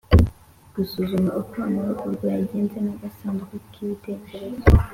Gusuzuma uko amahugurwa yagenze n agasanduku k ibitekerezo